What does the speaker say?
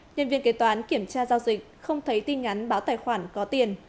nhân viên kế toán kiểm tra giao dịch không thấy tin nhắn báo tài khoản có tiền